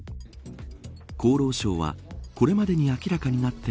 厚労省はこれまでに明らかになって